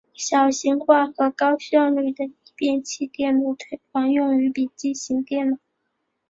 小型化和高效率的逆变器电路推广用于笔记型电脑。